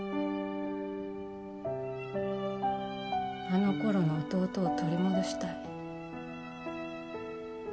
あの頃の弟を取り戻したい